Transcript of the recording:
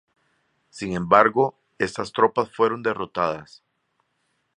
Sin embargo estas tropas fueron derrotadas.